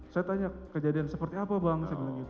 saya tanya kejadian seperti apa bang